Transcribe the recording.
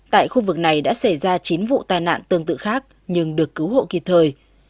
tại khu vực này đã xảy ra chín vụ tai nạn tương tự khác nhưng được cứu hộ kịp thời